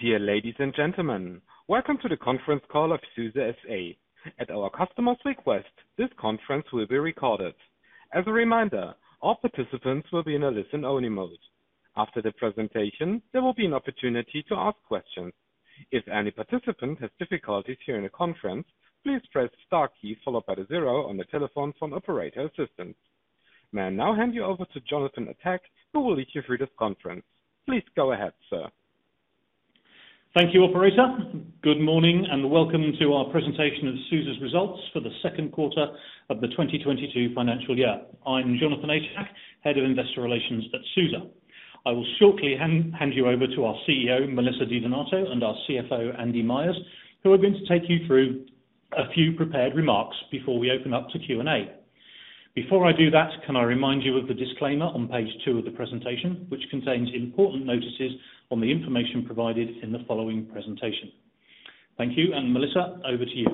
Dear ladies and gentlemen, welcome to the conference call of SUSE S.A. At our customer's request, this conference will be recorded. As a reminder, all participants will be in a listen-only mode. After the presentation, there will be an opportunity to ask questions. If any participant has difficulties hearing the conference, please press star key followed by the zero on your telephone for operator assistance. May I now hand you over to Jonathan Atack, who will lead you through this conference. Please go ahead, sir. Thank you, operator. Good morning and welcome to our presentation of SUSE's results for the second quarter of the 2022 financial year. I'm Jonathan Atack, Head of Investor Relations at SUSE. I will shortly hand you over to our CEO, Melissa Di Donato, and our CFO, Andy Myers, who are going to take you through a few prepared remarks before we open up to Q&A. Before I do that, can I remind you of the disclaimer on page two of the presentation, which contains important notices on the information provided in the following presentation? Thank you. Melissa, over to you.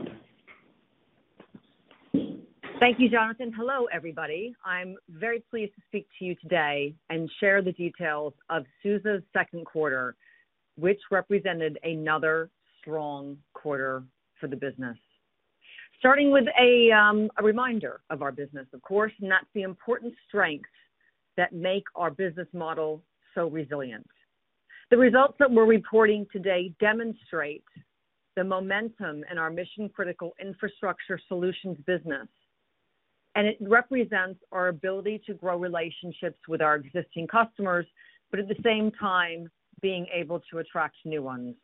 Thank you, Jonathan. Hello, everybody. I'm very pleased to speak to you today and share the details of SUSE's second quarter, which represented another strong quarter for the business. Starting with a reminder of our business, of course, and that's the important strengths that make our business model so resilient. The results that we're reporting today demonstrate the momentum in our mission-critical infrastructure solutions business, and it represents our ability to grow relationships with our existing customers, but at the same time being able to attract new ones.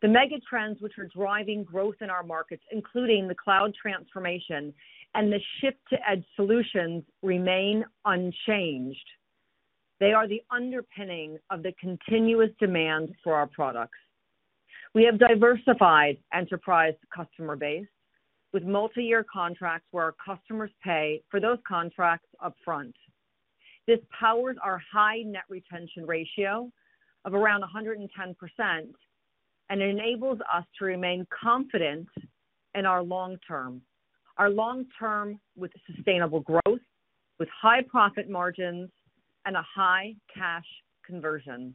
The mega trends which are driving growth in our markets, including the cloud transformation and the shift to Edge solutions, remain unchanged. They are the underpinning of the continuous demand for our products. We have diversified enterprise customer base with multi-year contracts where our customers pay for those contracts upfront. This powers our high net retention ratio of around 110% and enables us to remain confident in our long-term with sustainable growth, with high profit margins and a high cash conversion.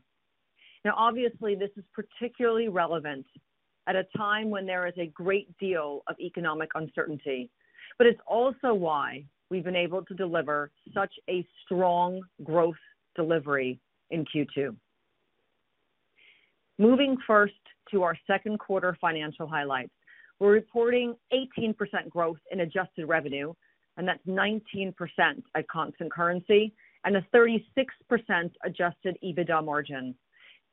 Now obviously this is particularly relevant at a time when there is a great deal of economic uncertainty, but it's also why we've been able to deliver such a strong growth delivery in Q2. Moving first to our second quarter financial highlights. We're reporting 18% growth in adjusted revenue, and that's 19% at constant currency and a 36% adjusted EBITDA margin.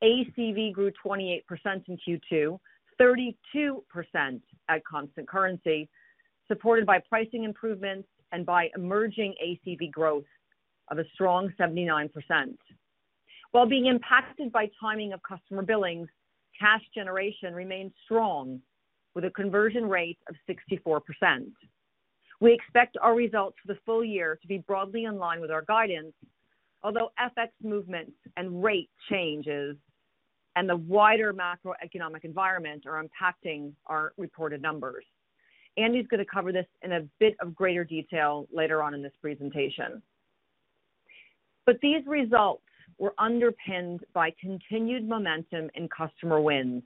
ACV grew 28% in Q2, 32% at constant currency, supported by pricing improvements and by emerging ACV growth of a strong 79%. While being impacted by timing of customer billings, cash generation remains strong with a conversion rate of 64%. We expect our results for the full year to be broadly in line with our guidance, although FX movements, and rate changes, and the wider macroeconomic environment are impacting our reported numbers. Andy's gonna cover this in a bit of greater detail later on in this presentation. These results were underpinned by continued momentum in customer wins,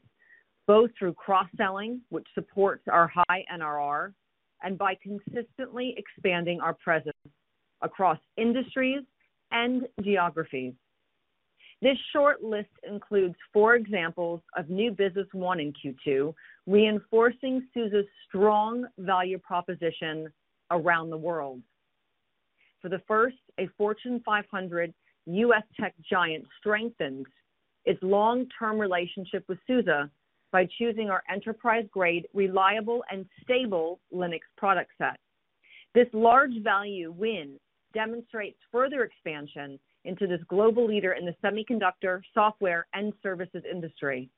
both through cross-selling, which supports our high NRR, and by consistently expanding our presence across industries and geographies. This short list includes four examples of new business won in Q2, reinforcing SUSE's strong value proposition around the world. For the first, a Fortune 500 U.S. tech giant strengthens its long-term relationship with SUSE by choosing our enterprise-grade, reliable, and stable Linux product set. This large value win demonstrates further expansion into this global leader in the semiconductor, software, and services industry.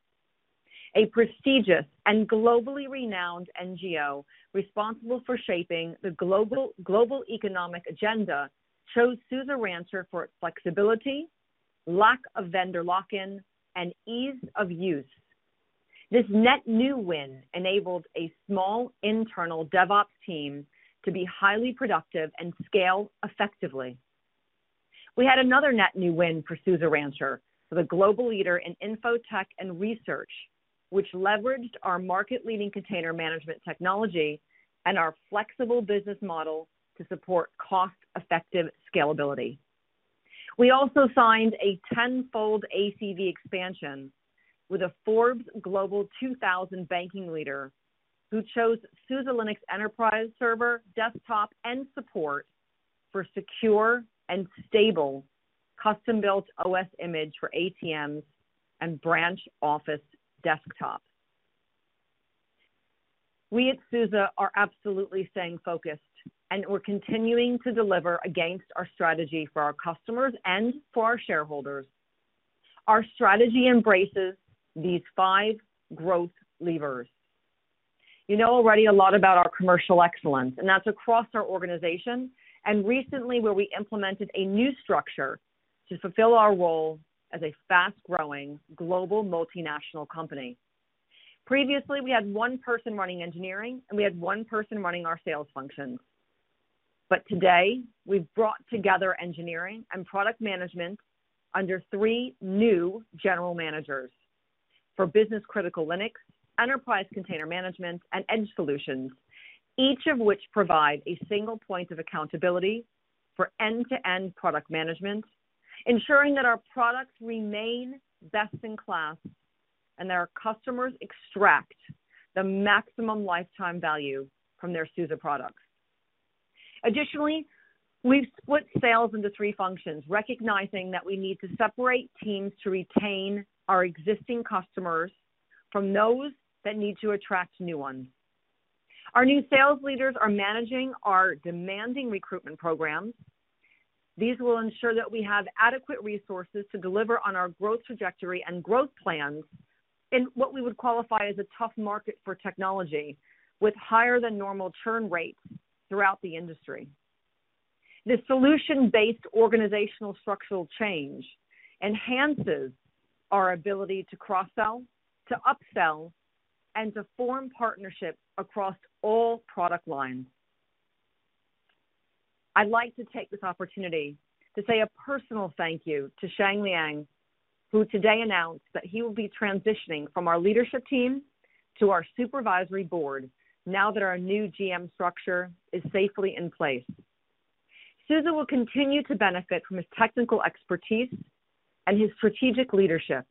A prestigious and globally renowned NGO responsible for shaping the global economic agenda chose SUSE Rancher for its flexibility, lack of vendor lock-in, and ease of use. This net new win enabled a small internal DevOps team to be highly productive and scale effectively. We had another net new win for SUSE Rancher with a global leader in info tech and research, which leveraged our market-leading container management technology and our flexible business model to support cost-effective scalability. We also signed a tenfold ACV expansion with a Forbes Global 2000 banking leader who chose SUSE Linux Enterprise Server, Desktop and Support for secure and stable custom-built OS image for ATMs and branch office desktops. We at SUSE are absolutely staying focused, and we're continuing to deliver against our strategy for our customers and for our shareholders. Our strategy embraces these five growth levers. You know already a lot about our commercial excellence, and that's across our organization, and recently, where we implemented a new structure to fulfill our role as a fast-growing global multinational company. Previously, we had one person running engineering, and we had one person running our sales functions. Today, we've brought together engineering and product management under three new general managers for business-critical Linux, enterprise container management, and Edge solutions, each of which provide a single point of accountability for end-to-end product management, ensuring that our products remain best in class and that our customers extract the maximum lifetime value from their SUSE products. Additionally, we've split sales into three functions, recognizing that we need to separate teams to retain our existing customers from those that need to attract new ones. Our new sales leaders are managing our demand generation programs. These will ensure that we have adequate resources to deliver on our growth trajectory and growth plans in what we would qualify as a tough market for technology, with higher-than-normal churn rates throughout the industry. This solution-based organizational structural change enhances our ability to cross-sell, to upsell, and to form partnerships across all product lines. I'd like to take this opportunity to say a personal thank you to Sheng Liang, who today announced that he will be transitioning from our leadership team to our supervisory board now that our new GM structure is safely in place. SUSE will continue to benefit from his technical expertise and his strategic leadership.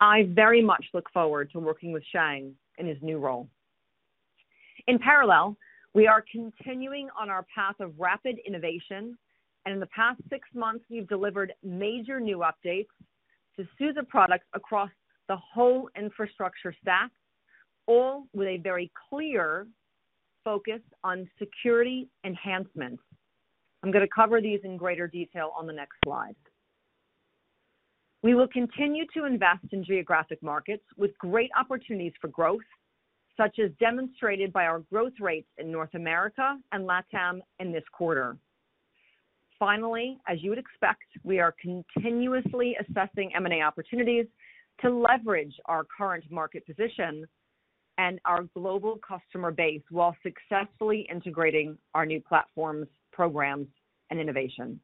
I very much look forward to working with Sheng in his new role. In parallel, we are continuing on our path of rapid innovation, and in the past six months, we've delivered major new updates to SUSE products across the whole infrastructure stack, all with a very clear focus on security enhancements. I'm gonna cover these in greater detail on the next slide. We will continue to invest in geographic markets with great opportunities for growth, such as demonstrated by our growth rates in North America and LATAM in this quarter. Finally, as you would expect, we are continuously assessing M&A opportunities to leverage our current market position and our global customer base while successfully integrating our new platforms, programs, and innovation.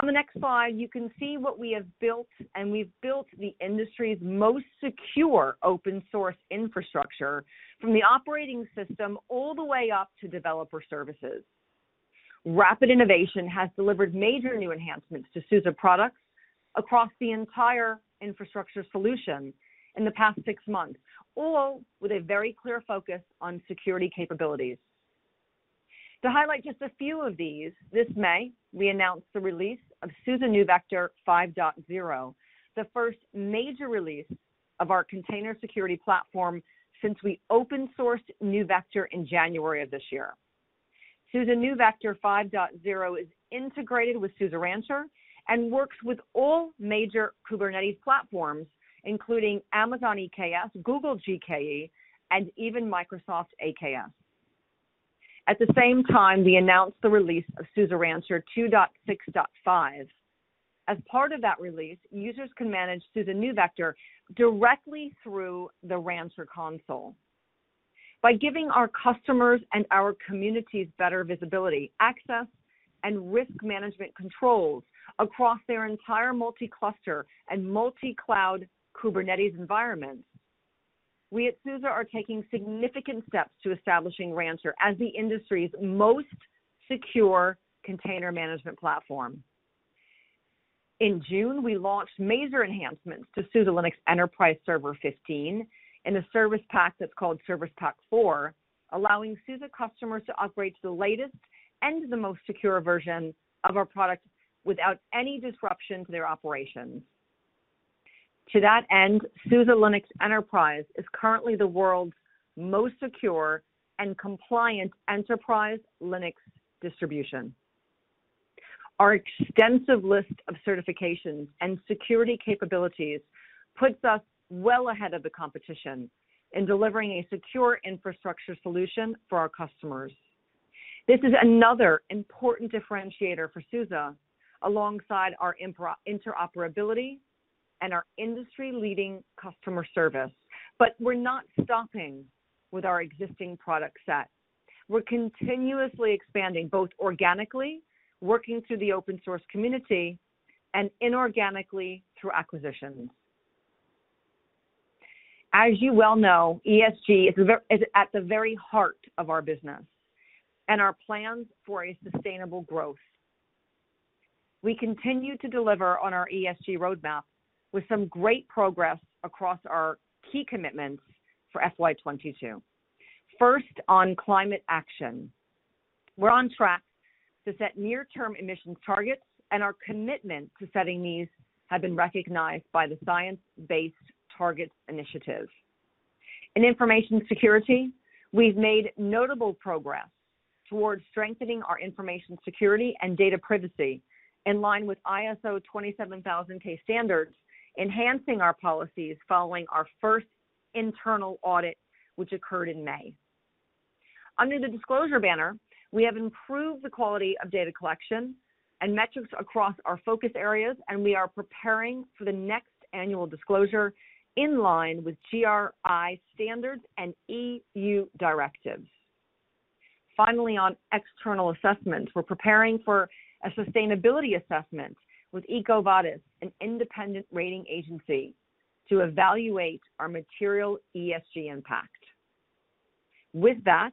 On the next slide, you can see what we have built, and we've built the industry's most secure open source infrastructure from the operating system all the way up to developer services. Rapid innovation has delivered major new enhancements to SUSE products across the entire infrastructure solution in the past six months, all with a very clear focus on security capabilities. To highlight just a few of these, this May, we announced the release of SUSE NeuVector 5.0, the first major release of our container security platform since we open sourced NeuVector in January of this year. SUSE NeuVector 5.0 is integrated with SUSE Rancher and works with all major Kubernetes platforms, including Amazon EKS, Google GKE, and even Microsoft AKS. At the same time, we announced the release of SUSE Rancher 2.6.5. As part of that release, users can manage SUSE NeuVector directly through the Rancher console. By giving our customers and our communities better visibility, access, and risk management controls across their entire multi-cluster and multi-cloud Kubernetes environments, we at SUSE are taking significant steps to establishing Rancher as the industry's most secure container management platform. In June, we launched major enhancements to SUSE Linux Enterprise Server 15 in a service pack that's called Service Pack 4, allowing SUSE customers to operate the latest and the most secure version of our product without any disruption to their operations. To that end, SUSE Linux Enterprise is currently the world's most secure and compliant enterprise Linux distribution. Our extensive list of certifications and security capabilities puts us well ahead of the competition in delivering a secure infrastructure solution for our customers. This is another important differentiator for SUSE, alongside our interoperability and our industry-leading customer service. We're not stopping with our existing product set. We're continuously expanding, both organically, working through the open source community, and inorganically through acquisitions. As you well know, ESG is at the very heart of our business and our plans for a sustainable growth. We continue to deliver on our ESG roadmap with some great progress across our key commitments for FY 2022. First, on climate action. We're on track to set near term emissions targets, and our commitment to setting these have been recognized by the Science Based Targets initiative. In information security, we've made notable progress towards strengthening our information security and data privacy in line with ISO 27001 standards, enhancing our policies following our first internal audit, which occurred in May. Under the disclosure banner, we have improved the quality of data collection and metrics across our focus areas, and we are preparing for the next annual disclosure in line with GRI standards and EU directives. Finally, on external assessments, we're preparing for a sustainability assessment with EcoVadis, an independent rating agency to evaluate our material ESG impact. With that,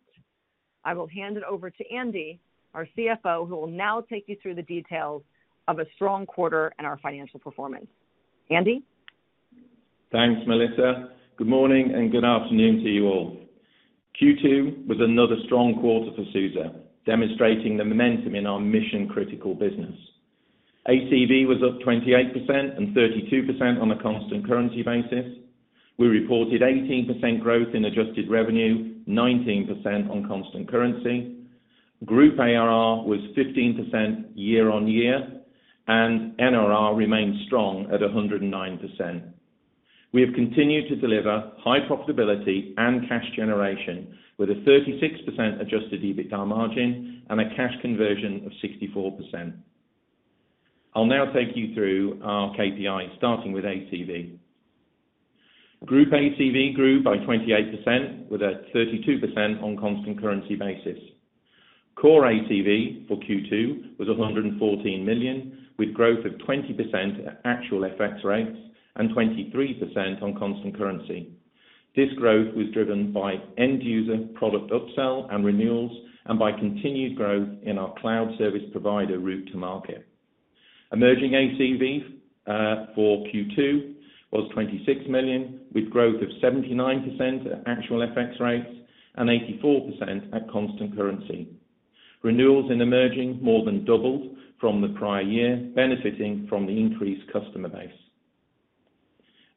I will hand it over to Andy, our CFO, who will now take you through the details of a strong quarter in our financial performance. Andy? Thanks, Melissa. Good morning, and good afternoon to you all. Q2 was another strong quarter for SUSE, demonstrating the momentum in our mission-critical business. ACV was up 28% and 32% on a constant currency basis. We reported 18% growth in adjusted revenue, 19% on constant currency. Group ARR was 15% year-on-year, and NRR remains strong at 109%. We have continued to deliver high profitability and cash generation with a 36% adjusted EBITDA margin and a cash conversion of 64%. I'll now take you through our KPI, starting with ACV. Group ACV grew by 28% with a 32% on constant currency basis. Core ACV for Q2 was 114 million, with growth of 20% at actual FX rates and 23% on constant currency. This growth was driven by end-user product upsell and renewals, and by continued growth in our cloud service provider route to market. Emerging ACV for Q2 was 26 million, with growth of 79% at actual FX rates and 84% at constant currency. Renewals in emerging more than doubled from the prior year, benefiting from the increased customer base.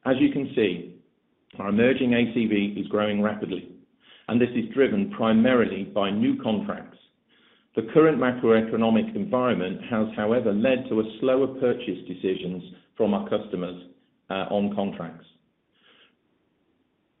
As you can see, our emerging ACV is growing rapidly, and this is driven primarily by new contracts. The current macroeconomic environment has, however, led to a slower purchase decisions from our customers on contracts.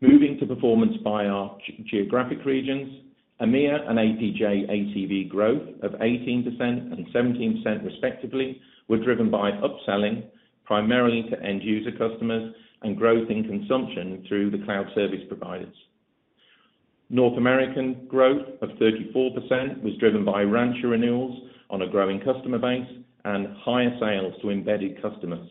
Moving to performance by our geographic regions, EMEA and APJ ACV growth of 18% and 17% respectively, were driven by upselling primarily to end user customers and growth in consumption through the cloud service providers. North American growth of 34% was driven by Rancher renewals on a growing customer base and higher sales to embedded customers.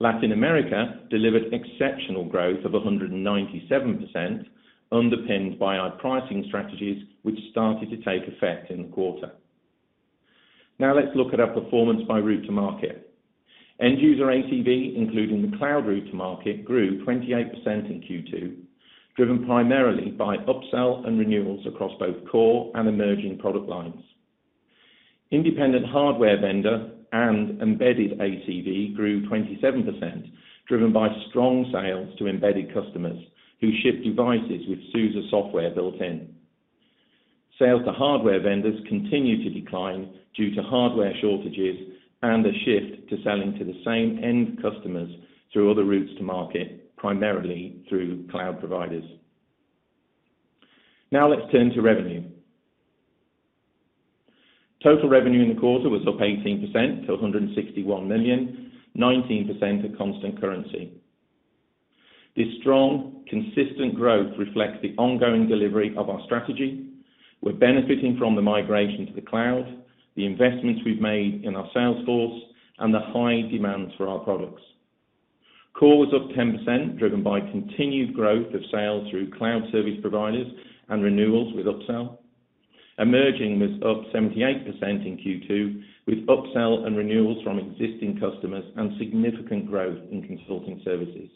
Latin America delivered exceptional growth of 197%, underpinned by our pricing strategies, which started to take effect in the quarter. Now let's look at our performance by route to market. End user ACV, including the cloud route to market, grew 28% in Q2, driven primarily by upsell and renewals across both core and emerging product lines. Independent hardware vendor and embedded ACV grew 27%, driven by strong sales to embedded customers who ship devices with SUSE software built in. Sales to hardware vendors continue to decline due to hardware shortages and a shift to selling to the same end customers through other routes to market, primarily through cloud providers. Now let's turn to revenue. Total revenue in the quarter was up 18% to 161 million, 19% at constant currency. This strong, consistent growth reflects the ongoing delivery of our strategy. We're benefiting from the migration to the cloud, the investments we've made in our sales force, and the high demand for our products. Core was up 10%, driven by continued growth of sales through cloud service providers and renewals with upsell. Emerging was up 78% in Q2, with upsell and renewals from existing customers and significant growth in consulting services.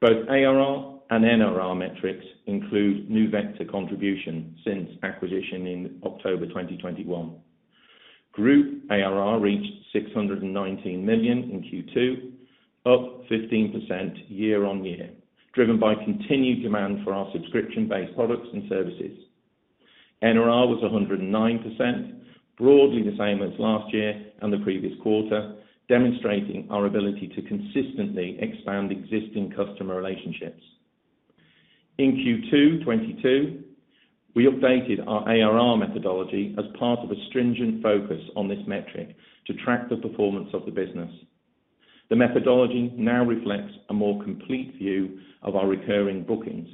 Both ARR and NRR metrics include NeuVector contribution since acquisition in October 2021. Group ARR reached 619 million in Q2, up 15% year-on-year, driven by continued demand for our subscription-based products and services. NRR was 109%, broadly the same as last year and the previous quarter, demonstrating our ability to consistently expand existing customer relationships. In Q2 2022, we updated our ARR methodology as part of a stringent focus on this metric to track the performance of the business. The methodology now reflects a more complete view of our recurring bookings.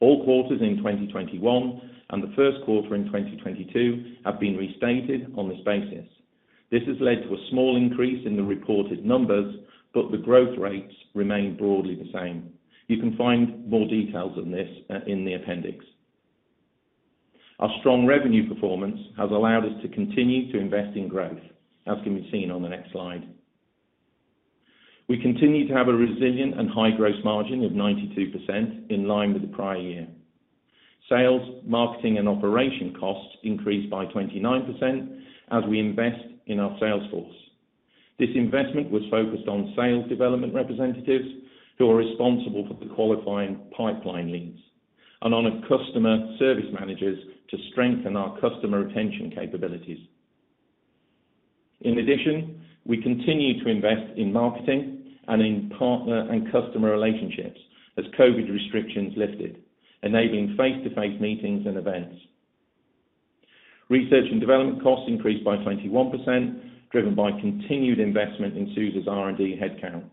All quarters in 2021 and the first quarter in 2022 have been restated on this basis. This has led to a small increase in the reported numbers, but the growth rates remain broadly the same. You can find more details on this in the appendix. Our strong revenue performance has allowed us to continue to invest in growth, as can be seen on the next slide. We continue to have a resilient and high gross margin of 92% in line with the prior year. Sales, marketing, and operation costs increased by 29% as we invest in our sales force. This investment was focused on sales development representatives who are responsible for the qualifying pipeline leads and on customer service managers to strengthen our customer retention capabilities. In addition, we continue to invest in marketing and in partner and customer relationships as COVID restrictions lifted, enabling face-to-face meetings and events. Research and development costs increased by 21%, driven by continued investment in SUSE's R&D headcount.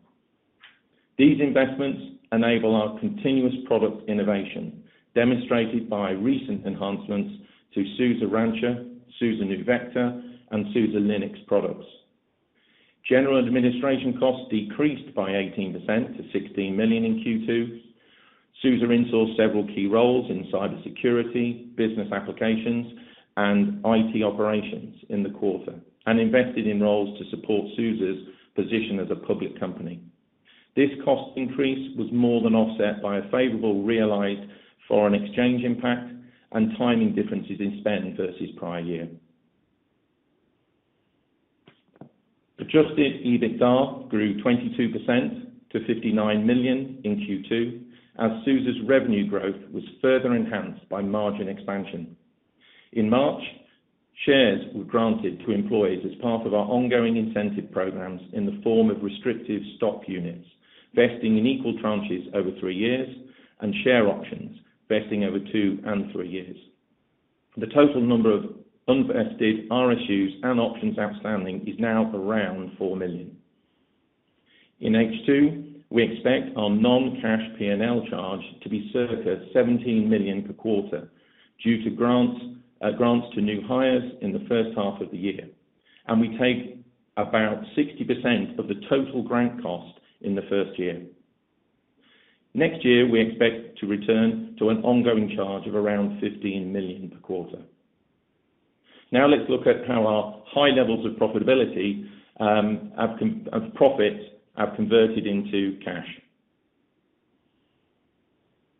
These investments enable our continuous product innovation, demonstrated by recent enhancements to SUSE Rancher, SUSE NeuVector, and SUSE Linux products. General administration costs decreased by 18% to 16 million in Q2. SUSE insourced several key roles in cybersecurity, business applications, and IT operations in the quarter, and invested in roles to support SUSE's position as a public company. This cost increase was more than offset by a favorable realized foreign exchange impact and timing differences in spend versus prior year. Adjusted EBITDA grew 22% to 59 million in Q2 as SUSE's revenue growth was further enhanced by margin expansion. In March, shares were granted to employees as part of our ongoing incentive programs in the form of restricted stock units, vesting in equal tranches over three years, and share options vesting over two and three years. The total number of unvested RSUs and options outstanding is now around 4 million. In H2, we expect our non-cash P&L charge to be circa 17 million per quarter due to grants to new hires in the first half of the year, and we take about 60% of the total grant cost in the first year. Next year, we expect to return to an ongoing charge of around 15 million per quarter. Now let's look at how our high levels of profitability, of profits, have converted into cash.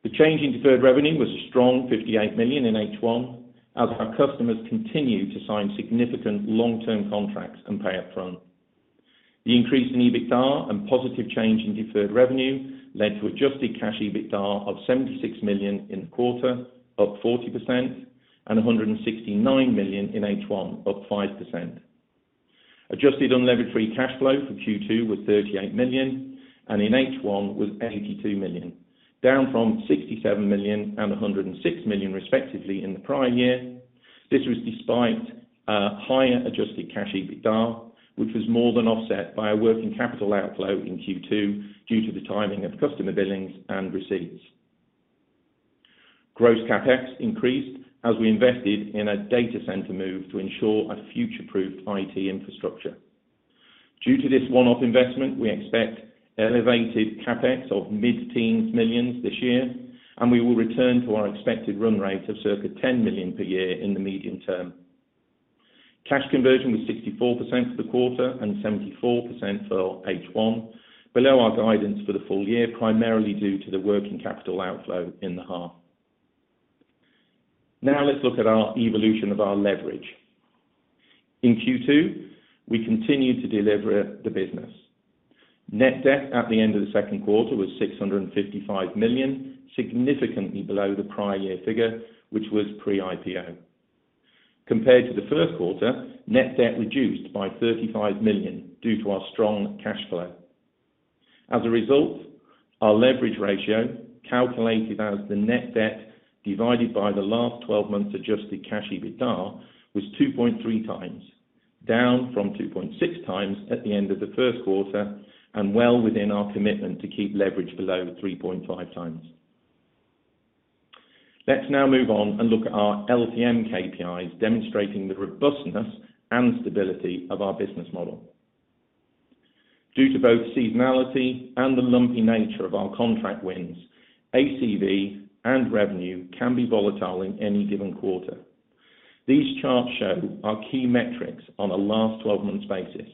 The change in deferred revenue was a strong 58 million in H1 as our customers continued to sign significant long-term contracts and pay up front. The increase in EBITDA and positive change in deferred revenue led to adjusted cash EBITDA of 76 million in the quarter, up 40%, and 169 million in H1, up 5%. Adjusted unlevered free cash flow for Q2 was 38 million, and in H1 was 82 million, down from 67 million and 106 million respectively in the prior year. This was despite a higher adjusted cash EBITDA, which was more than offset by a working capital outflow in Q2 due to the timing of customer billings and receipts. Gross CapEx increased as we invested in a data center move to ensure a future-proofed IT infrastructure. Due to this one-off investment, we expect elevated CapEx of EUR mid-teens million this year, and we will return to our expected run rate of circa 10 million per year in the medium term. Cash conversion was 64% for the quarter and 74% for H1, below our guidance for the full year, primarily due to the working capital outflow in the half. Now let's look at our evolution of our leverage. In Q2, we continued to deliver the business. Net debt at the end of the second quarter was 655 million, significantly below the prior year figure, which was pre-IPO. Compared to the first quarter, net debt reduced by 35 million due to our strong cash flow. As a result, our leverage ratio, calculated as the net debt divided by the last 12 months adjusted cash EBITDA, was 2.3x, down from 2.6x at the end of the first quarter and well within our commitment to keep leverage below 3.5x. Let's now move on and look at our LTM KPIs demonstrating the robustness and stability of our business model. Due to both seasonality and the lumpy nature of our contract wins, ACV and revenue can be volatile in any given quarter. These charts show our key metrics on a last 12 months basis,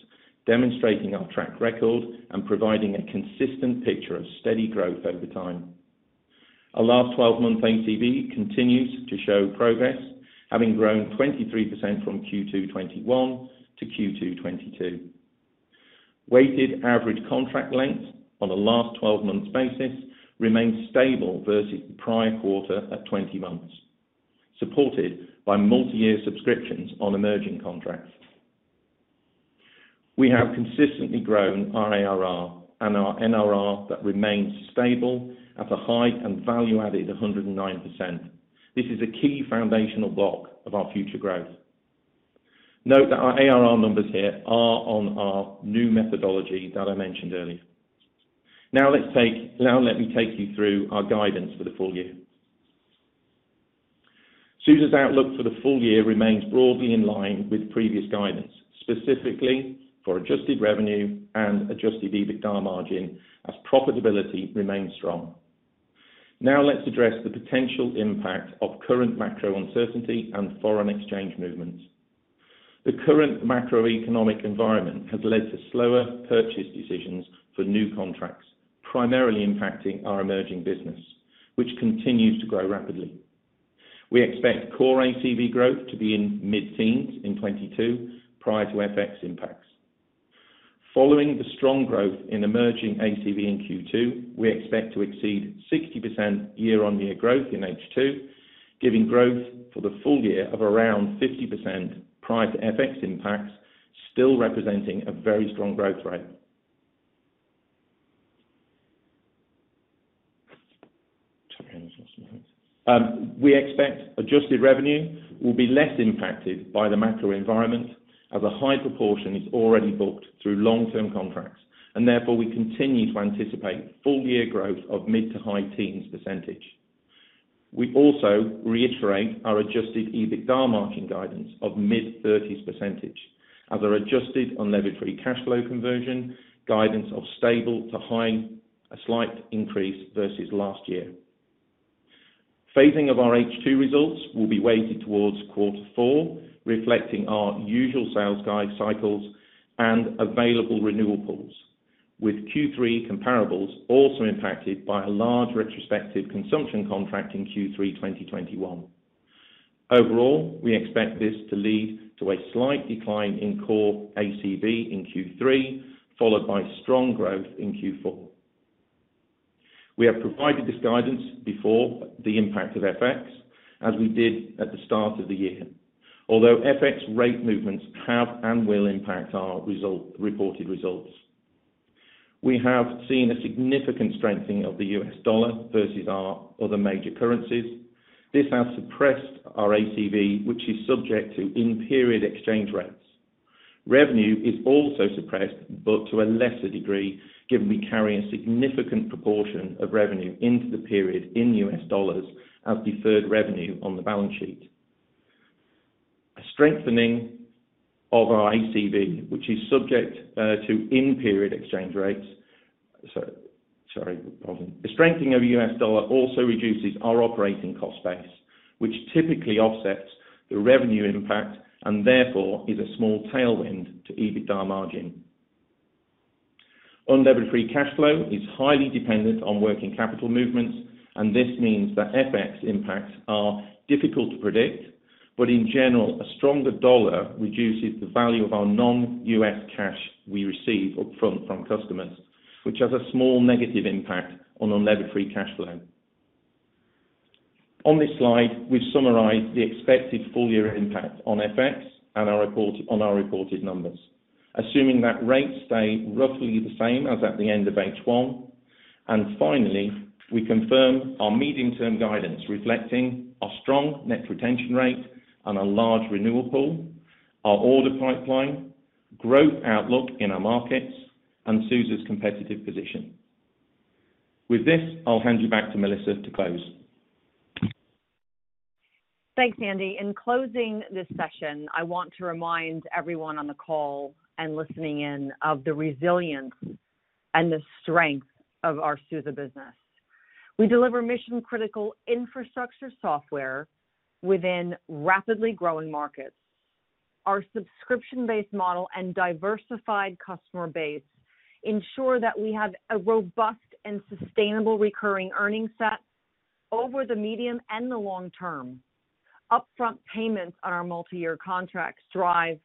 demonstrating our track record and providing a consistent picture of steady growth over time. Our last 12 months ACV continues to show progress, having grown 23% from Q2 2021 to Q2 2022. Weighted average contract length on a last 12 months basis remains stable versus the prior quarter at 20 months, supported by multiyear subscriptions on emerging contracts. We have consistently grown our ARR and our NRR that remains stable at a high and value-added 109%. This is a key foundational block of our future growth. Note that our ARR numbers here are on our new methodology that I mentioned earlier. Now let me take you through our guidance for the full year. SUSE's outlook for the full year remains broadly in line with previous guidance, specifically for adjusted revenue and adjusted EBITDA margin as profitability remains strong. Now let's address the potential impact of current macro uncertainty and foreign exchange movements. The current macroeconomic environment has led to slower purchase decisions for new contracts, primarily impacting our emerging business, which continues to grow rapidly. We expect core ACV growth to be in mid-teens in 2022 prior to FX impact. Following the strong growth in emerging ACV in Q2, we expect to exceed 60% year-on-year growth in H2, giving growth for the full year of around 50% prior to FX impacts, still representing a very strong growth rate. We expect adjusted revenue will be less impacted by the macro environment as a high proportion is already booked through long-term contracts, and therefore we continue to anticipate full year growth of mid- to high-teens %. We also reiterate our adjusted EBITDA margin guidance of mid-30s percentage as our adjusted unlevered free cash flow conversion guidance of stable to high, a slight increase versus last year. Phasing of our H2 results will be weighted towards quarter four, reflecting our usual sales guide cycles and available renewal pools, with Q3 comparables also impacted by a large retrospective consumption contract in Q3 2021. Overall, we expect this to lead to a slight decline in core ACV in Q3, followed by strong growth in Q4. We have provided this guidance before the impact of FX, as we did at the start of the year. Although FX rate movements have and will impact our reported results. We have seen a significant strengthening of the US dollar versus our other major currencies. This has suppressed our ACV, which is subject to in-period exchange rates. Revenue is also suppressed, but to a lesser degree, given we carry a significant proportion of revenue into the period in US dollars as deferred revenue on the balance sheet. A strengthening of our ACV, which is subject to in-period exchange rates. The strengthening of the US dollar also reduces our operating cost base, which typically offsets the revenue impact and therefore is a small tailwind to EBITDA margin. Unlevered free cash flow is highly dependent on working capital movements, and this means that FX impacts are difficult to predict. In general, a stronger dollar reduces the value of our non-US cash we receive up front from customers, which has a small negative impact on unlevered free cash flow. On this slide, we've summarized the expected full-year impact on FX and our reported numbers, assuming that rates stay roughly the same as at the end of H1. Finally, we confirm our medium-term guidance reflecting our strong net retention rate and a large renewal pool, our order pipeline, growth outlook in our markets, and SUSE's competitive position. With this, I'll hand you back to Melissa to close. Thanks, Andy. In closing this session, I want to remind everyone on the call and listening in of the resilience and the strength of our SUSE business. We deliver mission-critical infrastructure software within rapidly growing markets. Our subscription-based model and diversified customer base ensure that we have a robust and sustainable recurring earnings set over the medium and the long term. Upfront payments on our multi-year contracts drive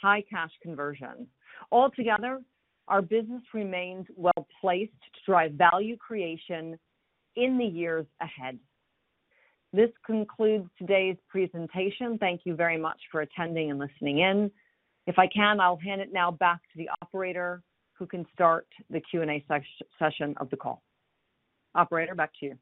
high cash conversion. Altogether, our business remains well placed to drive value creation in the years ahead. This concludes today's presentation. Thank you very much for attending and listening in. If I can, I'll hand it now back to the operator who can start the Q&A session of the call. Operator, back to you.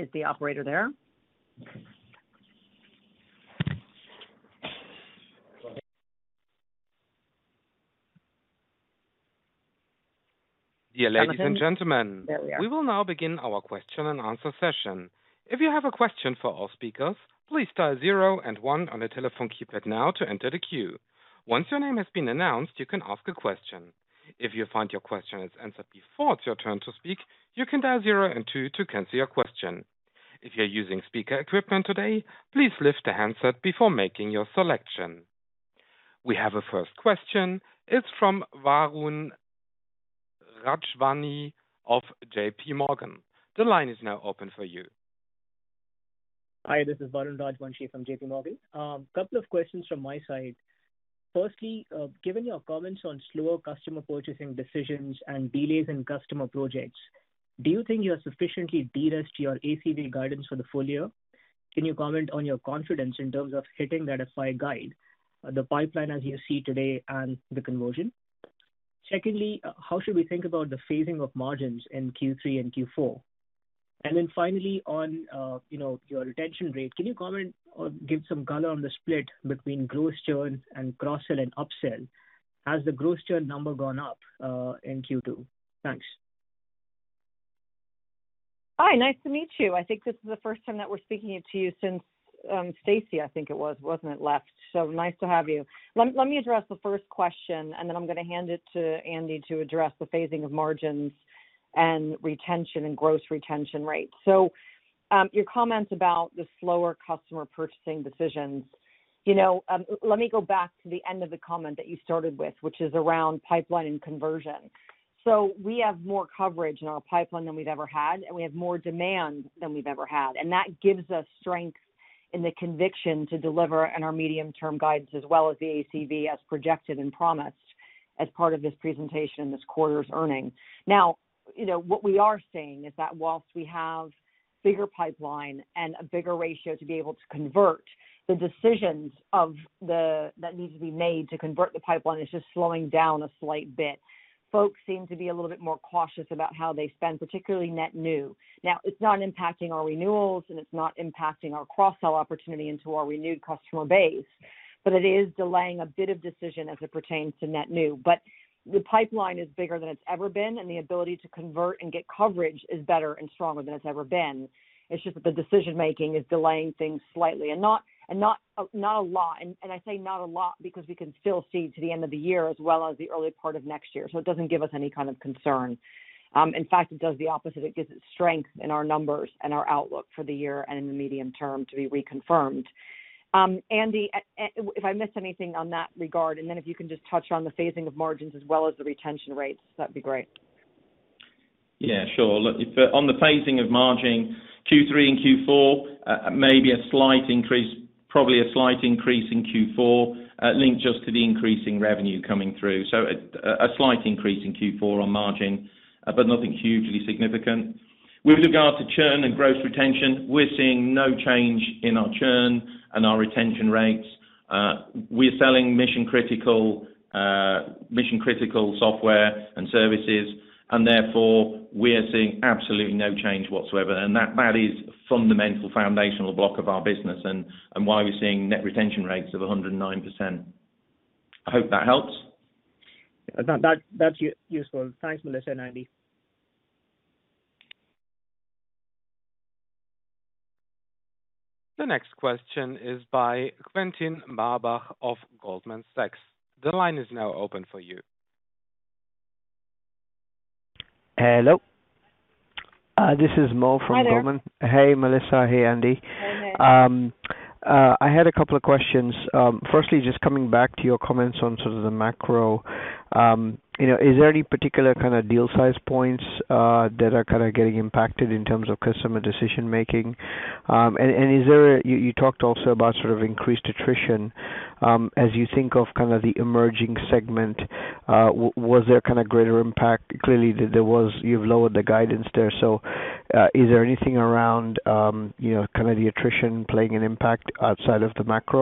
Is the operator there? Dear ladies and gentlemen. There we are. We will now begin our question-and-answer session. If you have a question for all speakers, please dial zero and one on your telephone keypad now to enter the queue. Once your name has been announced, you can ask a question. If you find your question is answered before it's your turn to speak, you can dial zero and two to cancel your question. If you're using speaker equipment today, please lift the handset before making your selection. We have a first question. It's from Varun Rajwanshi of J.P. Morgan. The line is now open for you. Hi, this is Varun Rajwanshi from J.P. Morgan. Couple of questions from my side. Firstly, given your comments on slower customer purchasing decisions and delays in customer projects, do you think you have sufficiently de-risked your ACV guidance for the full year? Can you comment on your confidence in terms of hitting that FY guide, the pipeline as you see today, and the conversion? Secondly, how should we think about the phasing of margins in Q3 and Q4? Finally, on, you know, your retention rate, can you comment or give some color on the split between gross churn and cross-sell and upsell? Has the gross churn number gone up in Q2? Thanks. Hi, nice to meet you. I think this is the first time that we're speaking to you since Stacey, I think it was, wasn't it, left. Nice to have you. Let me address the first question, and then I'm gonna hand it to Andy to address the phasing of margins, and retention, and gross retention rates. Your comments about the slower customer purchasing decisions, you know, let me go back to the end of the comment that you started with, which is around pipeline and conversion. We have more coverage in our pipeline than we've ever had, and we have more demand than we've ever had. That gives us strength in the conviction to deliver in our medium-term guidance as well as the ACV as projected and promised as part of this presentation, this quarter's earnings. You know, what we are seeing is that while we have bigger pipeline and a bigger ratio to be able to convert that need to be made to convert the pipeline is just slowing down a slight bit. Folks seem to be a little bit more cautious about how they spend, particularly net new. Now, it's not impacting our renewals, and it's not impacting our cross-sell opportunity into our renewed customer base, but it is delaying a bit of decision as it pertains to net new. The pipeline is bigger than it's ever been, and the ability to convert and get coverage is better and stronger than it's ever been. It's just that the decision-making is delaying things slightly and not a lot. I say not a lot because we can still see to the end of the year as well as the early part of next year, so it doesn't give us any kind of concern. In fact, it does the opposite. It gives it strength in our numbers and our outlook for the year and in the medium term to be reconfirmed. Andy, and if I missed anything in that regard, and then if you can just touch on the phasing of margins as well as the retention rates, that'd be great. Yeah, sure. On the phasing of margin, Q3 and Q4, maybe a slight increase, probably a slight increase in Q4, linked just to the increasing revenue coming through. A slight increase in Q4 on margin, but nothing hugely significant. With regard to churn and gross retention, we're seeing no change in our churn and our retention rates. We are selling mission-critical software and services, and therefore, we are seeing absolutely no change whatsoever. That is fundamental foundational block of our business and why we're seeing net retention rates of 109%. I hope that helps. That's useful. Thanks, Melissa and Andy. The next question is by Quentin Marbach of Goldman Sachs. The line is now open for you. Hello. This is Mo from Goldman Sachs. Hi, there. Hey, Melissa. Hey, Andy. Hey, Mo. I had a couple of questions. Firstly, just coming back to your comments on sort of the macro, you know, is there any particular kind of deal size points that are kinda getting impacted in terms of customer decision-making? And is there. You talked also about sort of increased attrition. As you think of kind of the emerging segment, was there kinda greater impact? Clearly, there was. You've lowered the guidance there, so, is there anything around, you know, kinda the attrition playing an impact outside of the macro?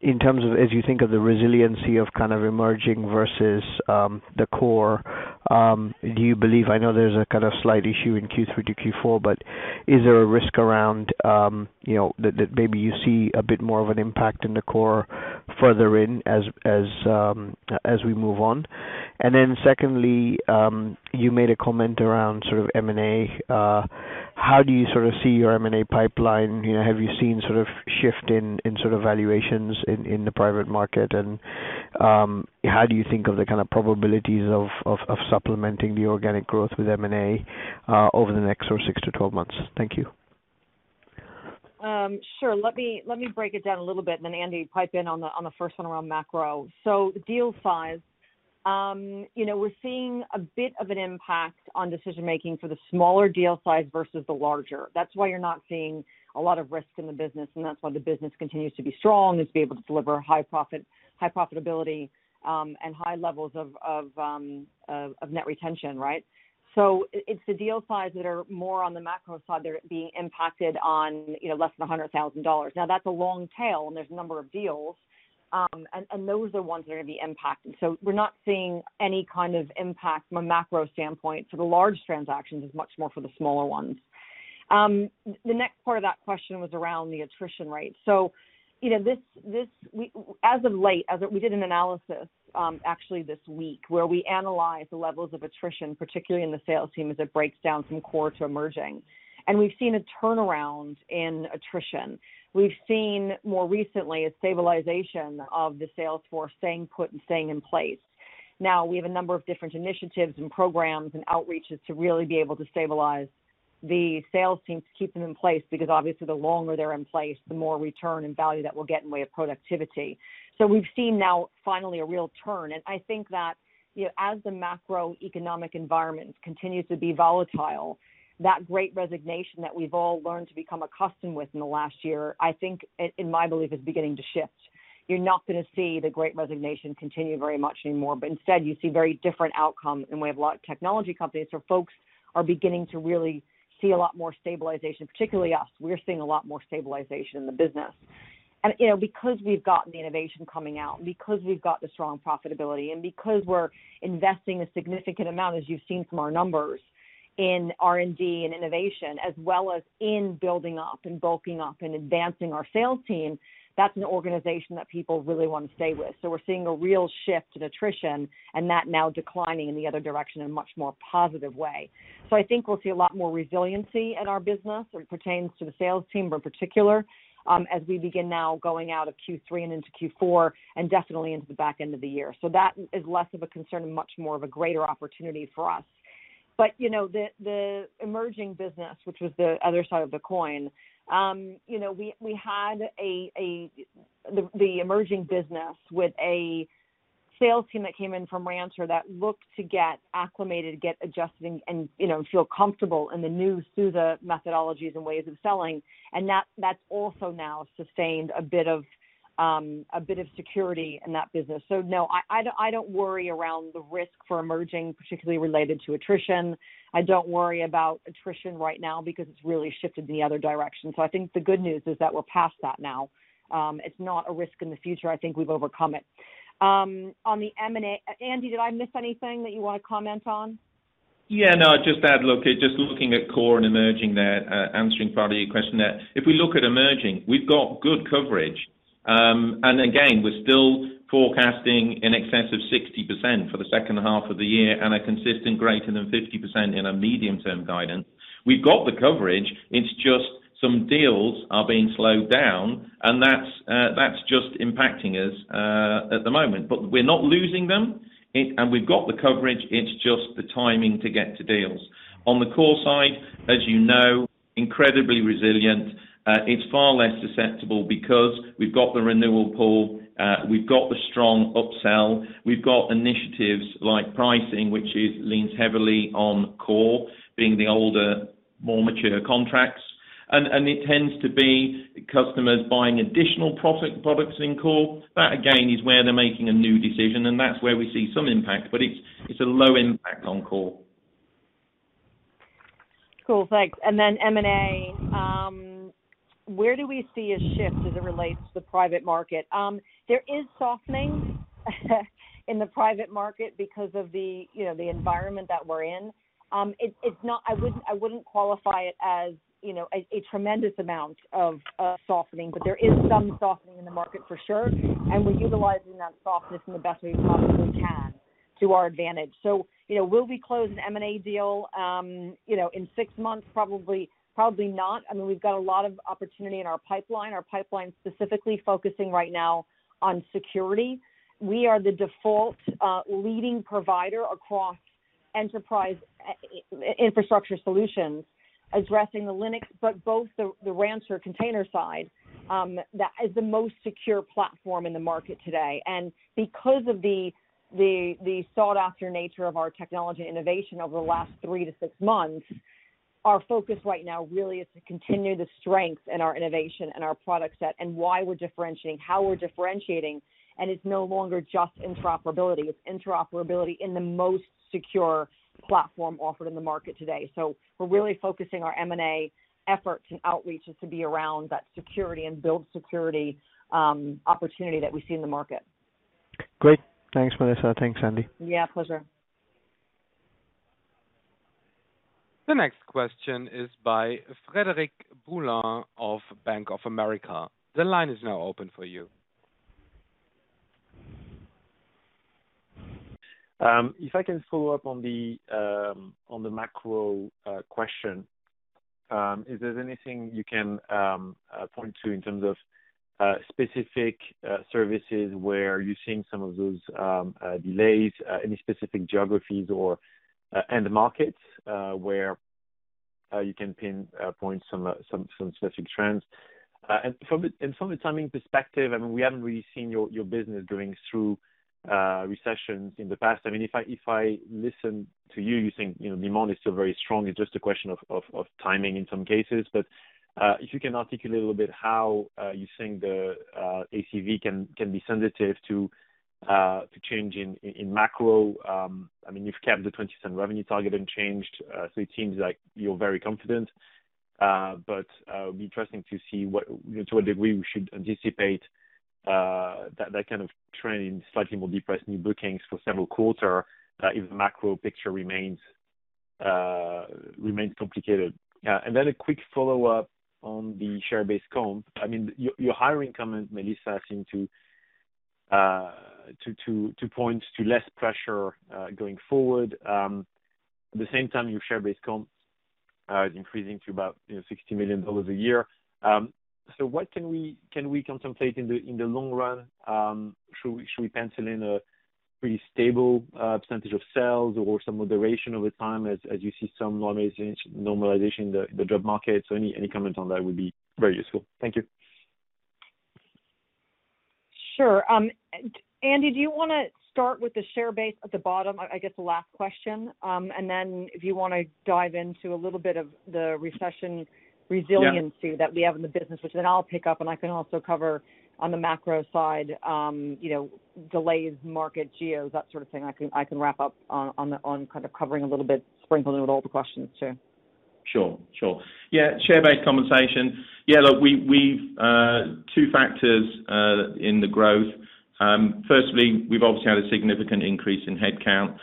In terms of, as you think of the resiliency of kind of emerging versus the core, do you believe, I know there's a kind of slight issue in Q3 to Q4, but is there a risk around, you know, that maybe you see a bit more of an impact in the core further in as we move on? Secondly, you made a comment around sort of M&A. How do you sort of see your M&A pipeline? You know, have you seen sort of shift in sort of valuations in the private market? How do you think of the kind of probabilities of supplementing the organic growth with M&A over the next sort of 6-12 months? Thank you. Sure. Let me break it down a little bit, and then Andy, pipe in on the first one around macro. Deal size. You know, we're seeing a bit of an impact on decision-making for the smaller deal size versus the larger. That's why you're not seeing a lot of risk in the business, and that's why the business continues to be strong and to be able to deliver high profitability and high levels of net retention, right? It's the deal size that are more on the macro side that are being impacted on, you know, less than $100,000. Now, that's a long tail, and there's a number of deals, and those are the ones that are gonna be impacted. We're not seeing any kind of impact from a macro standpoint for the large transactions. It's much more for the smaller ones. The next part of that question was around the attrition rate. As of late, we did an analysis, actually this week, where we analyzed the levels of attrition, particularly in the sales team, as it breaks down from core to emerging. We've seen a turnaround in attrition. We've seen more recently a stabilization of the sales force staying put and staying in place. Now, we have a number of different initiatives and programs and outreaches to really be able to stabilize the sales team to keep them in place because obviously the longer they're in place, the more return and value that we'll get in the way of productivity. We've seen now, finally a real turn, and I think that, you know, as the macroeconomic environment continues to be volatile, that great resignation that we've all learned to become accustomed with in the last year, I think, and my belief is beginning to shift. You're not gonna see the great resignation continue very much anymore. Instead, you see very different outcome in way of a lot of technology companies, so folks are beginning to really see a lot more stabilization. Particularly us, we're seeing a lot more stabilization in the business. You know, because we've gotten the innovation coming out, and because we've got the strong profitability, and because we're investing a significant amount, as you've seen from our numbers, in R&D and innovation, as well as in building up and bulking up and advancing our sales team, that's an organization that people really wanna stay with. We're seeing a real shift in attrition, and that now declining in the other direction in a much more positive way. I think we'll see a lot more resiliency in our business, where it pertains to the sales team in particular, as we begin now going out of Q3 and into Q4 and definitely into the back end of the year. That is less of a concern and much more of a greater opportunity for us. You know, the emerging business, which was the other side of the coin, you know, we had a sales team that came in from Rancher that looked to get acclimated, get adjusted, and, you know, feel comfortable in the new SUSE methodologies and ways of selling. That's also now sustained a bit of security in that business. No, I don't worry around the risk for emerging, particularly related to attrition. I don't worry about attrition right now because it's really shifted in the other direction. I think the good news is that we're past that now. It's not a risk in the future. I think we've overcome it. On the M&A, Andy, did I miss anything that you wanna comment on? Just looking at core and emerging there, answering part of your question there. If we look at emerging, we've got good coverage. And again, we're still forecasting in excess of 60% for the second half of the year and a consistent greater than 50% in our medium-term guidance. We've got the coverage. It's just some deals are being slowed down, and that's just impacting us at the moment. We're not losing them, and we've got the coverage, it's just the timing to get to deals. On the core side, as you know, incredibly resilient. It's far less susceptible because we've got the renewal pool, we've got the strong upsell, we've got initiatives like pricing, which leans heavily on core being the older, more mature contracts. It tends to be customers buying additional products in core. That, again, is where they're making a new decision, and that's where we see some impact. It's a low impact on core. Cool, thanks. M&A, where do we see a shift as it relates to the private market? There is softening in the private market because of the, you know, the environment that we're in. It's not. I wouldn't qualify it as, you know, a tremendous amount of softening, but there is some softening in the market for sure, and we're utilizing that softness in the best way we possibly can to our advantage. You know, will we close an M&A deal, you know, in six months? Probably not. I mean, we've got a lot of opportunity in our pipeline, specifically focusing right now on security. We are the de facto leading provider across enterprise infrastructure solutions, addressing the Linux, but both the Rancher container side, that is the most secure platform in the market today. Because of the sought-after nature of our technology innovation over the last 3-6 months, our focus right now really is to continue the strength in our innovation and our product set and why we're differentiating, how we're differentiating. It's no longer just interoperability. It's interoperability in the most secure platform offered in the market today. We're really focusing our M&A efforts and outreaches to be around that security and build security opportunity that we see in the market. Great. Thanks, Melissa. Thanks, Andy. Yeah, pleasure. The next question is by Frederic Boulan of Bank of America. The line is now open for you. If I can follow up on the macro question, is there anything you can point to in terms of specific services where you're seeing some of those delays, any specific geographies or end markets where you can point some specific trends? From a timing perspective, I mean, we haven't really seen your business going through recessions in the past. I mean, if I listen to you think, you know, demand is still very strong, it's just a question of timing in some cases. If you can articulate a little bit how you think the ACV can be sensitive to change in macro. I mean, you've kept the 2027 revenue target unchanged, so it seems like you're very confident. It'll be interesting to see to what degree we should anticipate that kind of trend in slightly more depressed new bookings for several quarters if the macro picture remains complicated. A quick follow-up on the share-based comp. I mean, your hiring comment, Melissa, seem to point to less pressure going forward. At the same time, your share-based comp is increasing to about, you know, $60 million a year. What can we contemplate in the long run? Should we pencil in a pretty stable percentage of sales or some moderation over time as you see some normalization in the job market? Any comment on that would be very useful. Thank you. Sure. Andy, do you wanna start with the share base at the bottom, I guess the last question? Then if you wanna dive into a little bit of the recession resiliency. Yeah that we have in the business, which then I'll pick up, and I can also cover on the macro side, you know, delays, market, geos, that sort of thing. I can wrap up on kind of covering a little bit, sprinkling it with all the questions too. Sure. Yeah, share-based compensation. Yeah, look, we've two factors in the growth. Firstly, we've obviously had a significant increase in head count.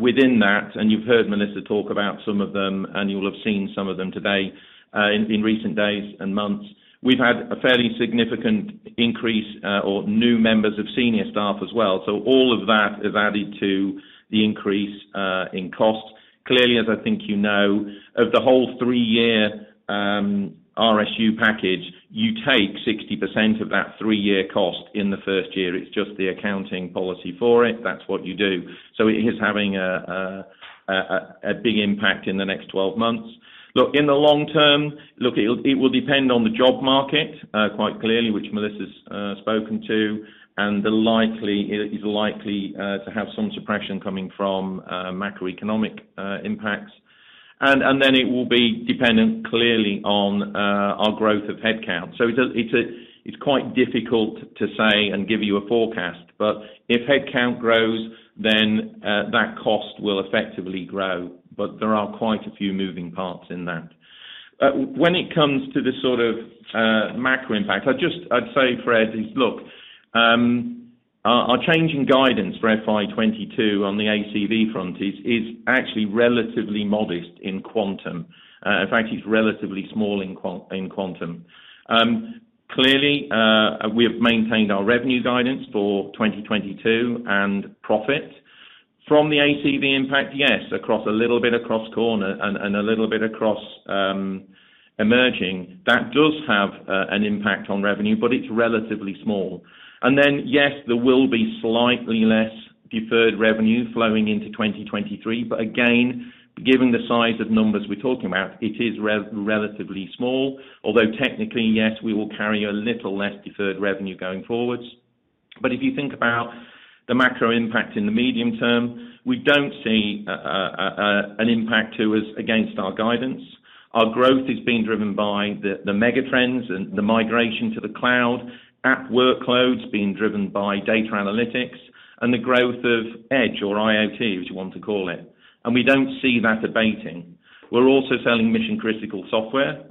Within that, and you've heard Melissa talk about some of them, and you'll have seen some of them today, in recent days and months, we've had a fairly significant increase in new members of senior staff as well. All of that has added to the increase in costs. Clearly, as I think you know, of the whole three-year RSU package, you take 60% of that three-year cost in the first year. It's just the accounting policy for it. That's what you do. It is having a big impact in the next 12 months. Look, in the long term, it will depend on the job market quite clearly, which Melissa's spoken to, and it is likely to have some suppression coming from macroeconomic impacts. It will be dependent clearly on our growth of headcount. It's quite difficult to say and give you a forecast, but if headcount grows, then that cost will effectively grow. There are quite a few moving parts in that. When it comes to the sort of macro impact, I'd say, Fred, look, our change in guidance for FY 2022 on the ACV front is actually relatively modest in quantum. In fact, it's relatively small in quantum. Clearly, we have maintained our revenue guidance for 2022 and profit. From the ACV impact, yes, across a little bit across core and emerging, that does have an impact on revenue, but it's relatively small. Yes, there will be slightly less deferred revenue flowing into 2023. Again, given the size of numbers we're talking about, it is relatively small. Although technically, yes, we will carry a little less deferred revenue going forward. If you think about the macro impact in the medium term, we don't see an impact to us against our guidance. Our growth is being driven by the mega trends and the migration to the cloud, app workloads being driven by data analytics, and the growth of Edge or IoT, as you want to call it. We don't see that abating. We're also selling mission-critical software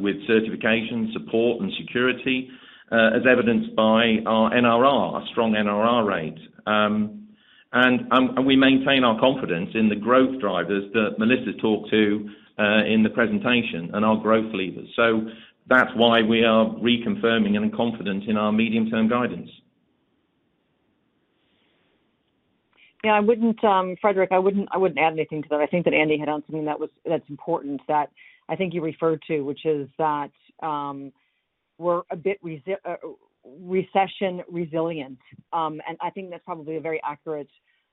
with certification, support, and security, as evidenced by our NRR, strong NRR rate. And we maintain our confidence in the growth drivers that Melissa talked about in the presentation and our growth levers. That's why we are reconfirming and confident in our medium-term guidance. Yeah, I wouldn't, Frederic, add anything to that. I think that Andy hit on something that's important that I think you referred to, which is that we're a bit recession resilient. I think that's probably a very accurate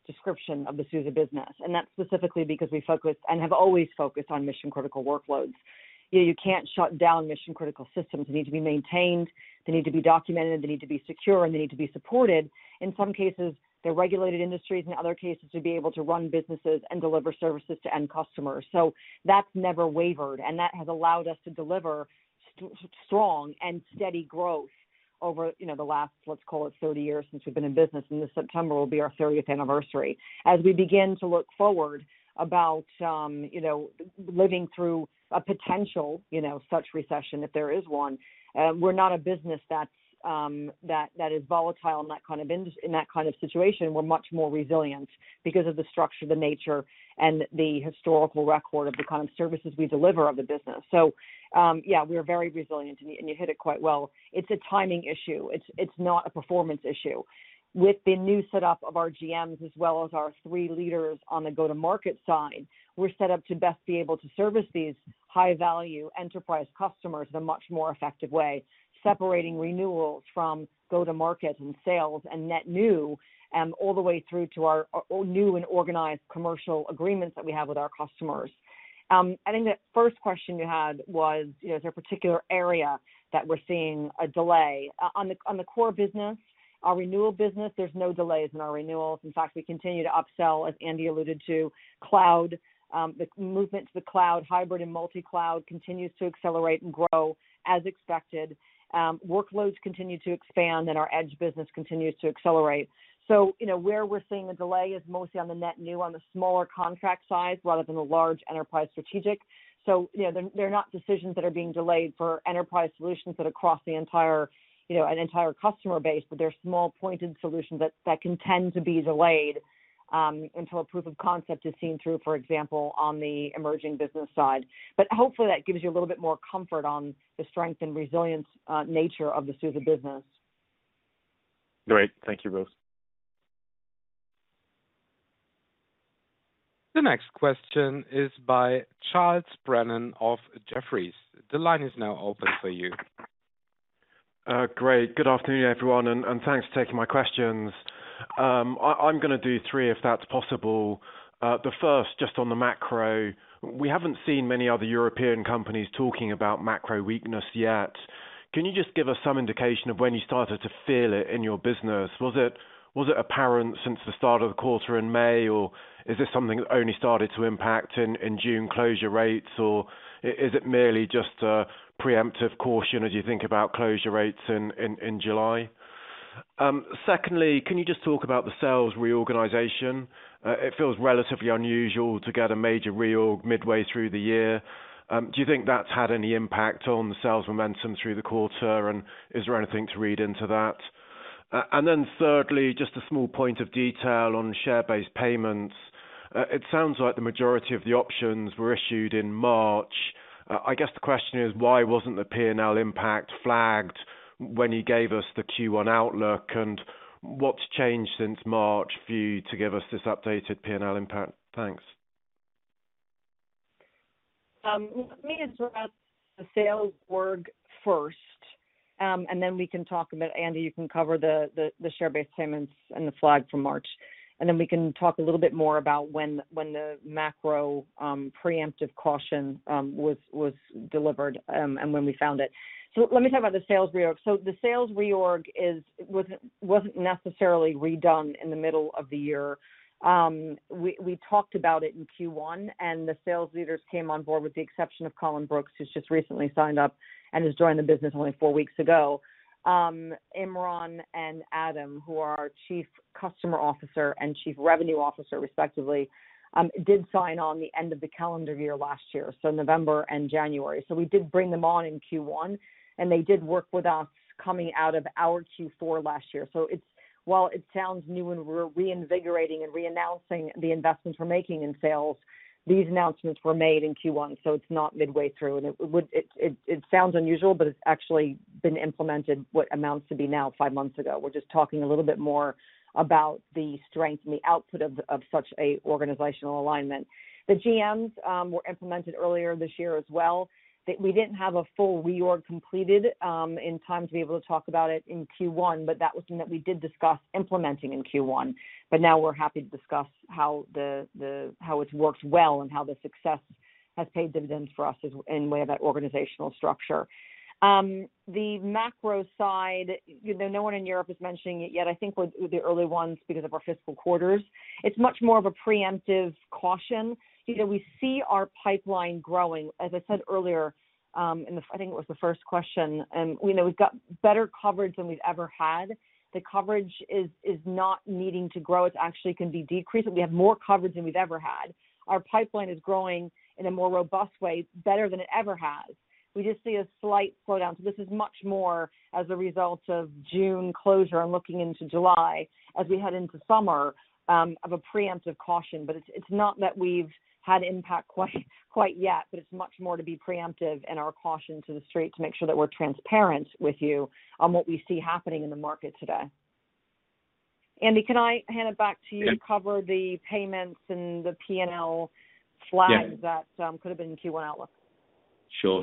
description of the SUSE business. That's specifically because we focus and have always focused on mission-critical workloads. You know, you can't shut down mission-critical systems. They need to be maintained, they need to be documented, they need to be secure, and they need to be supported. In some cases, they're regulated industries, in other cases, to be able to run businesses and deliver services to end customers. That's never wavered, and that has allowed us to deliver strong and steady growth over, you know, the last, let's call it 30 years since we've been in business, and this September will be our 30th anniversary. As we begin to look forward about, you know, living through a potential, you know, such recession, if there is one, we're not a business that's, that is volatile in that kind of situation. We're much more resilient because of the structure, the nature, and the historical record of the kind of services we deliver of the business. Yeah, we are very resilient, and you hit it quite well. It's a timing issue. It's not a performance issue. With the new setup of our GMs as well as our three leaders on the go-to-market side, we're set up to best be able to service these high-value enterprise customers in a much more effective way, separating renewals from go-to-market and sales and net new, all the way through to our new and organized commercial agreements that we have with our customers. I think the first question you had was, is there a particular area that we're seeing a delay? On the core business, our renewal business, there's no delays in our renewals. In fact, we continue to upsell, as Andy alluded to. Cloud, the movement to the cloud, hybrid and multi-cloud continues to accelerate and grow as expected. Workloads continue to expand and our Edge business continues to accelerate. You know, where we're seeing the delay is mostly on the net new on the smaller contract size rather than the large enterprise strategic. You know, they're not decisions that are being delayed for enterprise solutions that are across the entire, you know, an entire customer base, but they're small, pointed solutions that can tend to be delayed until a proof of concept is seen through, for example, on the emerging business side. Hopefully, that gives you a little bit more comfort on the strength and resilience, nature of the SUSE business. Great. Thank you both. The next question is by Charles Brennan of Jefferies. The line is now open for you. Great. Good afternoon, everyone, and thanks for taking my questions. I'm gonna do three if that's possible. The first, just on the macro, we haven't seen many other European companies talking about macro weakness yet. Can you just give us some indication of when you started to feel it in your business? Was it apparent since the start of the quarter in May, or is this something that only started to impact in June closure rates, or is it merely just a preemptive caution as you think about closure rates in July? Secondly, can you just talk about the sales reorganization? It feels relatively unusual to get a major reorg midway through the year. Do you think that's had any impact on the sales momentum through the quarter? Is there anything to read into that? Thirdly, just a small point of detail on share-based payments. It sounds like the majority of the options were issued in March. I guess the question is why wasn't the P&L impact flagged when you gave us the Q1 outlook, and what's changed since March for you to give us this updated P&L impact? Thanks. Let me address the sales org first, and then we can talk about Andy, you can cover the share-based payments and the flag from March. Then we can talk a little bit more about when the macro preemptive caution was delivered, and when we found it. Let me talk about the sales reorg. The sales reorg wasn't necessarily redone in the middle of the year. We talked about it in Q1, and the sales leaders came on board with the exception of Colin Brooks, who's just recently signed up and has joined the business only four weeks ago. Imran and Adam, who are our Chief Customer Officer and Chief Revenue Officer respectively, did sign on the end of the calendar year last year, so November and January. We did bring them on in Q1, and they did work with us coming out of our Q4 last year. While it sounds new and we're reinvigorating and reannouncing the investments we're making in sales, these announcements were made in Q1, so it's not midway through. It sounds unusual, but it's actually been implemented what amounts to be now five months ago. We're just talking a little bit more about the strength and the output of such an organizational alignment. The GMs were implemented earlier this year as well. We didn't have a full reorg completed in time to be able to talk about it in Q1, but that was something that we did discuss implementing in Q1. Now we're happy to discuss how it's worked well and how the success has paid dividends for us in way of that organizational structure. The macro side, you know, no one in Europe is mentioning it yet. I think we're the early ones because of our fiscal quarters. It's much more of a preemptive caution. You know, we see our pipeline growing, as I said earlier, I think it was the first question. We know we've got better coverage than we've ever had. The coverage is not needing to grow. It's actually can be decreased. We have more coverage than we've ever had. Our pipeline is growing in a more robust way, better than it ever has. We just see a slight slowdown. This is much more as a result of June closure and looking into July as we head into summer, of a preemptive caution. It's not that we've had impact quite yet, but it's much more to be preemptive and our caution to the street to make sure that we're transparent with you on what we see happening in the market today. Andy, can I hand it back to you? Yeah. to cover the payments and the P&L flags. Yeah. That could have been in Q1 outlook. Sure.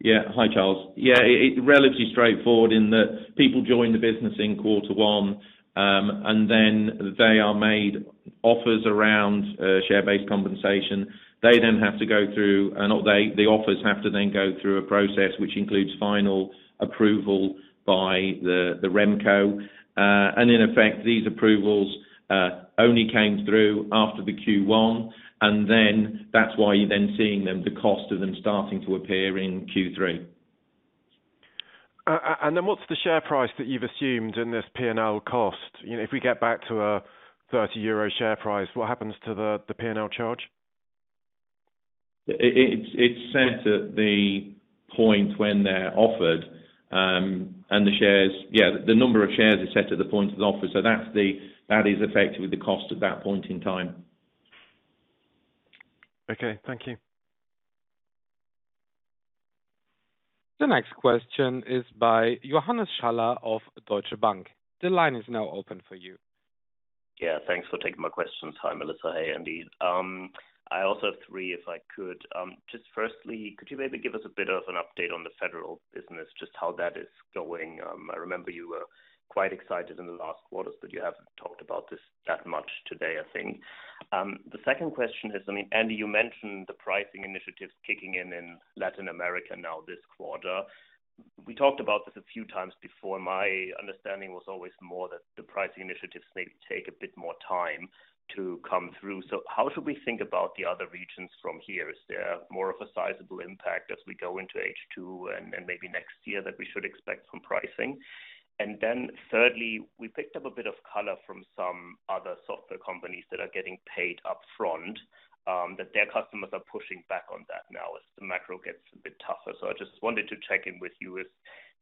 Yeah. Hi, Charles. Yeah, it's relatively straightforward in that people join the business in quarter one, and then they are made offers around share-based compensation. The offers have to then go through a process which includes final approval by the Remco. In effect, these approvals only came through after the Q1, and then that's why you're then seeing the cost of them starting to appear in Q3. What's the share price that you've assumed in this P&L cost? You know, if we get back to a 30 euro share price, what happens to the P&L charge? It's set at the point when they're offered. Yeah, the number of shares is set at the point of the offer, so that is effective with the cost at that point in time. Okay, thank you. The next question is by Johannes Schaller of Deutsche Bank. The line is now open for you. Yeah, thanks for taking my questions. Hi, Melissa. Hey, Andy. I also have three, if I could. Just firstly, could you maybe give us a bit of an update on the federal business, just how that is going? I remember you were quite excited in the last quarters, but you haven't talked about this that much today, I think. The second question is, I mean, Andy, you mentioned the pricing initiatives kicking in in Latin America now this quarter. We talked about this a few times before. My understanding was always more that the pricing initiatives maybe take a bit more time to come through. So how should we think about the other regions from here? Is there more of a sizable impact as we go into H2 and maybe next year that we should expect some pricing? Thirdly, we picked up a bit of color from some other software companies that are getting paid upfront, that their customers are pushing back on that now as the macro gets a bit tougher. I just wanted to check in with you if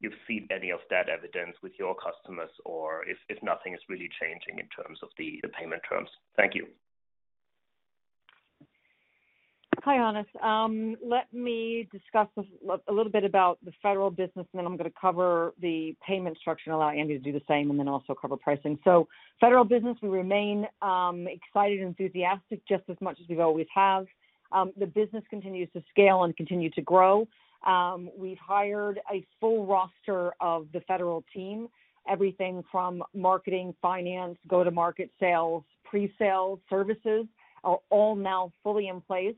you've seen any of that evidence with your customers or if nothing is really changing in terms of the payment terms. Thank you. Hi, Johannes. Let me discuss a little bit about the federal business, and then I'm gonna cover the payment structure and allow Andy to do the same, and then also cover pricing. Federal business, we remain excited and enthusiastic just as much as we always have. The business continues to scale and continue to grow. We've hired a full roster of the federal team. Everything from marketing, finance, go-to-market sales, pre-sales, services are all now fully in place,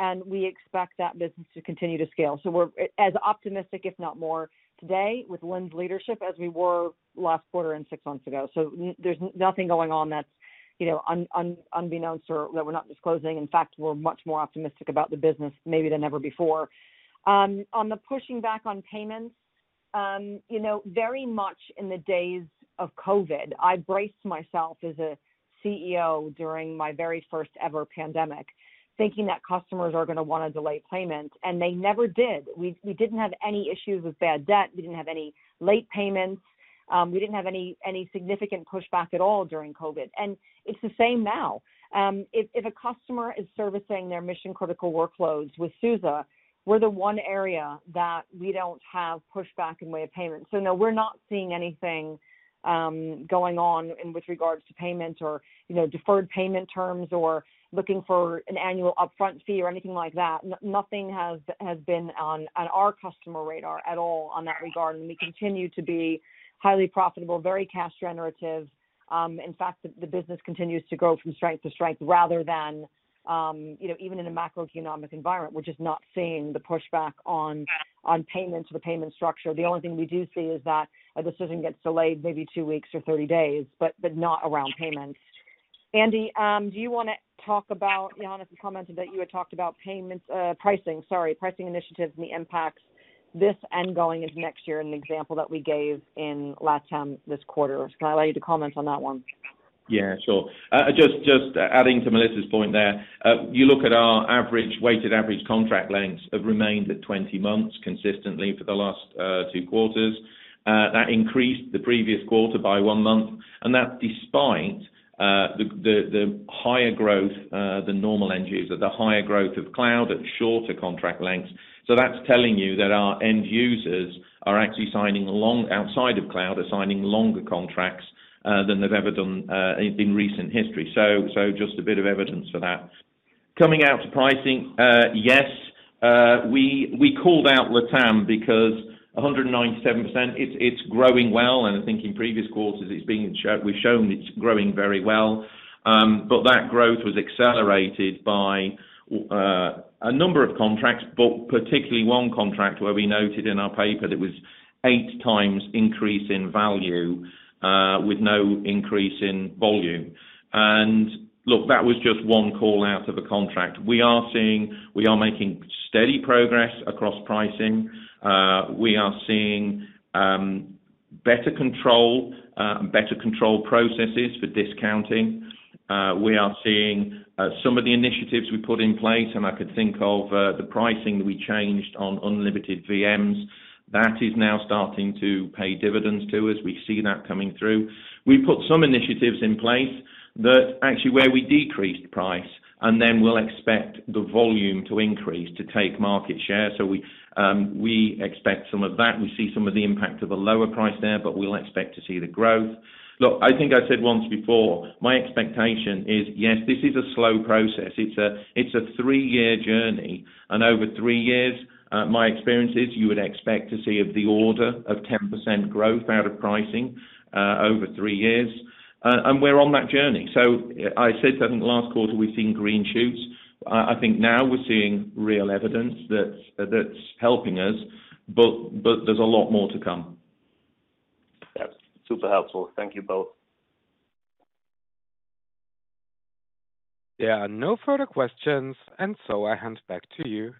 and we expect that business to continue to scale. We're as optimistic, if not more today with Lynne's leadership, as we were last quarter and six months ago. There's nothing going on that's, you know, unbeknownst or that we're not disclosing. In fact, we're much more optimistic about the business maybe than ever before. On the pushing back on payments, you know, very much in the days of COVID, I braced myself as a CEO during my very first ever pandemic, thinking that customers are gonna wanna delay payments, and they never did. We didn't have any issues with bad debt. We didn't have any late payments. We didn't have any significant pushback at all during COVID, and it's the same now. If a customer is servicing their mission-critical workloads with SUSE, we're the one area that we don't have pushback in way of payment. No, we're not seeing anything going on with regards to payment or, you know, deferred payment terms or looking for an annual upfront fee or anything like that. Nothing has been on our customer radar at all in that regard. We continue to be highly profitable, very cash generative. In fact, the business continues to grow from strength to strength rather than you know even in a macroeconomic environment, we're just not seeing the pushback on payments or the payment structure. The only thing we do see is that a decision gets delayed maybe two weeks or 30 days, but not around payments. Andy, do you want to talk about, Johannes commented that you had talked about payments, pricing. Sorry, pricing initiatives and the impacts this and going into next year, and the example that we gave in last time this quarter. Can I allow you to comment on that one? Yeah, sure. Just adding to Melissa's point there. You look at our average weighted average contract lengths have remained at 20 months consistently for the last two quarters. That increased the previous quarter by one month, and that despite the higher growth, the normal end user, the higher growth of cloud at shorter contract lengths. So that's telling you that our end users are actually signing outside of cloud are signing longer contracts than they've ever done in recent history. So just a bit of evidence for that. Coming out to pricing, yes, we called out LATAM because 197%, it's growing well, and I think in previous quarters we've shown it's growing very well. That growth was accelerated by a number of contracts, particularly one contract where we noted in our paper that was 8x increase in value, with no increase in volume. Look, that was just one call out of a contract. We are seeing. We are making steady progress across pricing. We are seeing better control processes for discounting. We are seeing some of the initiatives we put in place, and I could think of the pricing we changed on unlimited VMs. That is now starting to pay dividends to us. We see that coming through. We put some initiatives in place that actually where we decreased price, and then we'll expect the volume to increase to take market share. We expect some of that. We see some of the impact of the lower price there, but we'll expect to see the growth. Look, I think I said once before, my expectation is, yes, this is a slow process. It's a three-year journey. Over three years, my experience is you would expect to see of the order of 10% growth out of pricing, over three years. We're on that journey. I said that in the last quarter, we've seen green shoots. I think now we're seeing real evidence that's helping us. There's a lot more to come. Yeah. Super helpful. Thank you both. There are no further questions, and so I hand back to you.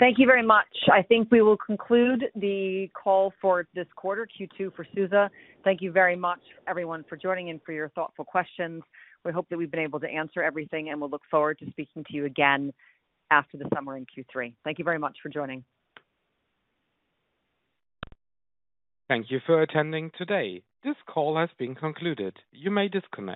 Thank you very much. I think we will conclude the call for this quarter, Q2 for SUSE. Thank you very much everyone for joining and for your thoughtful questions. We hope that we've been able to answer everything, and we'll look forward to speaking to you again after the summer in Q3. Thank you very much for joining. Thank you for attending today. This call has been concluded. You may disconnect.